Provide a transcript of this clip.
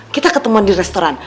kita ketemuan di restoran